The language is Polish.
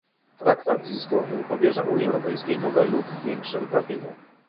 Traktat z Lizbony powierza Unii Europejskiej nowe lub większe uprawnienia